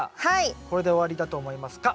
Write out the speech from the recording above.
これで終わりだと思いますか？